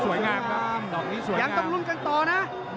สวยงาม